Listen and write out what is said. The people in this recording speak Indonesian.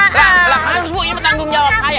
lah lah harus bu ini bertanggung jawab saya